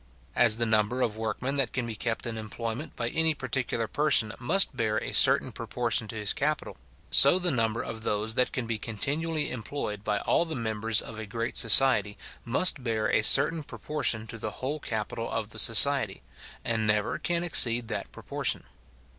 As the number of workmen that can be kept in employment by any particular person must bear a certain proportion to his capital, so the number of those that can be continually employed by all the members of a great society must bear a certain proportion to the whole capital of the society, and never can exceed that proportion.